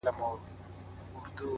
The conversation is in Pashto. تیاره وریځ ده، باد دی باران دی.